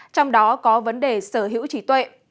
trong đó có vấn đề sở hữu trí tuệ